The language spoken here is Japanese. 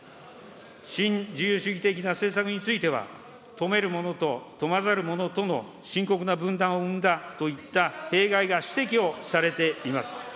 新自由主義的な政策については、富めるものと富まざるものとの深刻な分断を生んだといった弊害が指摘をされています。